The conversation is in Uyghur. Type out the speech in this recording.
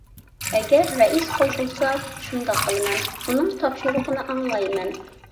ئەگەر رەئىس قوشۇلسا، شۇنداق قىلىمەن ئۇنىڭ تاپشۇرۇقىنى ئاڭلايمەن.